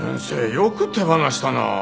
よく手放したな。